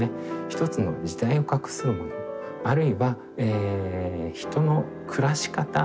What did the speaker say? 一つの時代を画するものあるいは人の暮らし方そのものにまでですね